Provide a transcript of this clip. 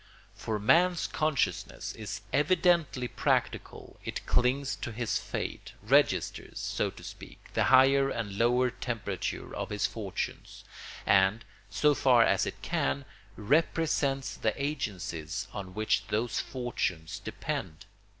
For man's consciousness is evidently practical; it clings to his fate, registers, so to speak, the higher and lower temperature of his fortunes, and, so far as it can, represents the agencies on which those fortunes depend.